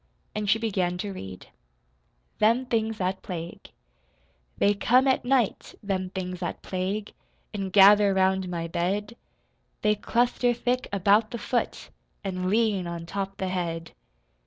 And she began to read: THEM THINGS THAT PLAGUE They come at night, them things that plague, An' gather round my bed. They cluster thick about the foot, An' lean on top the head.